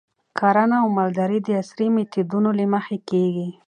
کرنه او مالداري د عصري میتودونو له مخې کیږي.